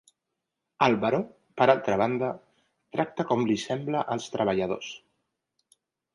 El baró, per altra banda, tracta com li sembla als treballadors.